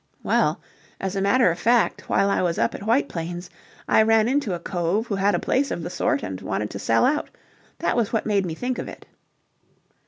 "Well, as a matter of fact, while I was up at White Plains, I ran into a cove who had a place of the sort and wanted to sell out. That was what made me think of it."